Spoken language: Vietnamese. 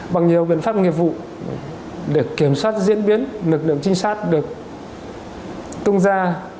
bằng nhiều biện pháp nghiệp vụ để kiểm soát diễn biến lực lượng trinh sát được tung ra